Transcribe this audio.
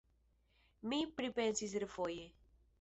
Mi pripensis refoje.